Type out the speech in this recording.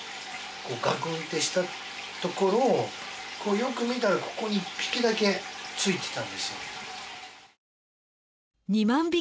こうガクンってしたところよく見たらここに１匹だけついてたんですよ。